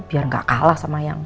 biar gak kalah sama yang